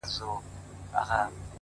زما د اوښکو په سمار راته خبري کوه ـ